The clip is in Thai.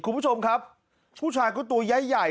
คุณผู้ชมครับผู้ชายคือตัวไย